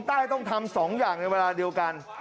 ต้องทำ๒อย่างในเวลาเดียวกัน